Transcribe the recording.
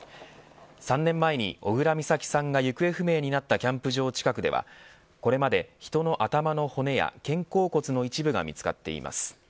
３年前に小倉美咲さんが行方不明になったキャンプ場近くではこれまで、人の頭の骨や肩甲骨の一部が見つかっています。